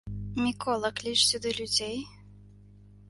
Мікола, кліч сюды людзей?